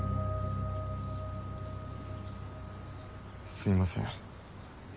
すみません。